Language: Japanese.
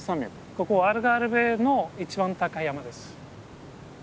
ここアルガルヴェの一番高い山です。